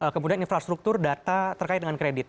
kemudian infrastruktur data terkait dengan kredit